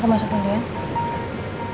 akan manusia untuk menyuruhmu dengan kun ih